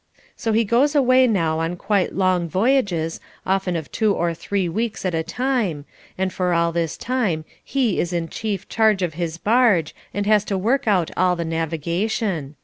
So he goes away now on quite long voyages, often of two or three weeks at a time, and for all this time he is in chief charge of his barge and has to work out all the navigation.